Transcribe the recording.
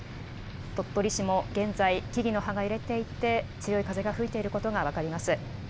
鳥取市も現在、木々の葉が揺れていて、強い風が吹いていることが分かります。